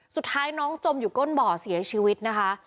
สุดท้ายน้องจมอยู่ก้นบ่อเสียชีวิตนะคะ